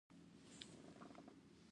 تورخم بندر ولې تل ګڼه ګوڼه لري؟